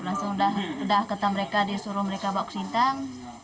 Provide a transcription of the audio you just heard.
langsung sudah kata mereka disuruh mereka bawa ke sintang